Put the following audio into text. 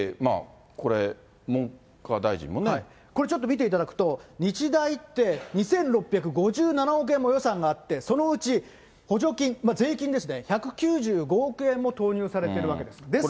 これちょっと見ていただくと、日大って、２６５７億円も予算があって、そのうち補助金、税金ですね、１９５億円も投入されてるわけです。